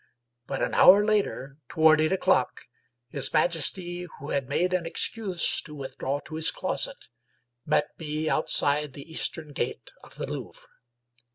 But an hour later, toward eight o'clock, his majesty, who had made an excuse to withdraw to his closet, met me outside the eastern gate of the Louvre.